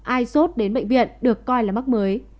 ai sốt đến bệnh viện được coi là mắc mới